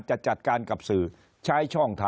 คนในวงการสื่อ๓๐องค์กร